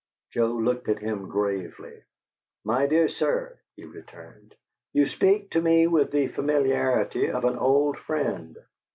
Joe looked at him gravely. "My dear sir," he returned, "you speak to me with the familiarity of an old friend."